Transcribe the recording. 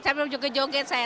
sampai juga joget saya